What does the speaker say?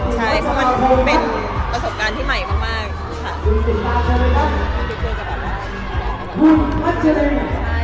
ใช่ค่ะมันคือเป็นประสบการณ์ใหม่มากค่ะ